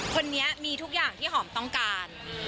คนนี้มีทุกอย่างที่หอมต้องการ